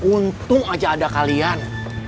untung aja ada kalian